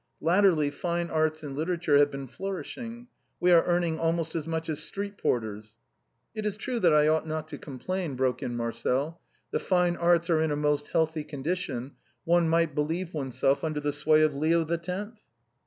Latterly fine arts and literature have been flourishing; we are earn ing almost as much as street porters." " It is true that I ought not to complain," broke in Marcel. " The fine arts are in a most healthy condition, one might believe oneself under the sway of Leo the Tenth."